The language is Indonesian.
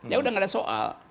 ya udah gak ada soal